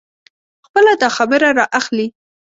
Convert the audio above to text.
خپله داخبره را اخلي.